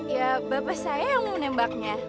ya bapak saya yang menembaknya